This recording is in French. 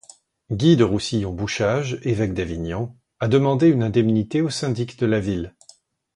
Guy de Roussillon-Bouchage, évêque d'Avignon, a demandé une indemnité aux syndics de la ville.